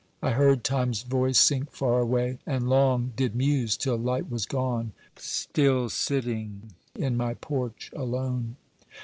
I heard Time's voice sink far away, And long did muse till light was gone, Still sitting in my porch alone.